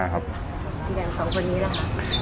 อย่างสองคนนี้ล่ะค่ะ